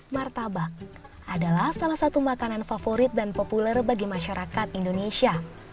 martabak adalah salah satu makanan favorit dan populer bagi masyarakat indonesia